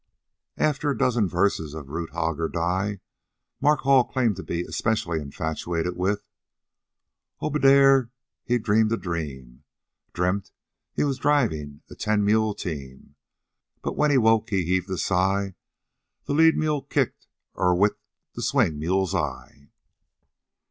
After the dozen verses of "Root Hog or Die," Mark Hall claimed to be especially infatuated with: "Obadier, he dreampt a dream, Dreampt he was drivin' a ten mule team, But when he woke he heaved a sigh, The lead mule kicked e o wt the swing mule's eye."